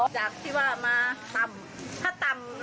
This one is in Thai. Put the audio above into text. จากที่ว่ามาตำถ้าตำเราจะไม่น่าแต่เขาติ๊งขึ้นไงพี่